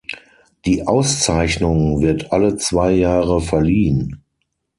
Die Auszeichnung wird alle zwei Jahre verliehen.